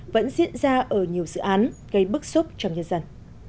vẫn diễn ra ở nhiều dự án gây bức xúc trong nhân dân